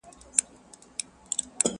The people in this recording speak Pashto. شپه تیاره وه ژر نیهام ځانته تنها سو٫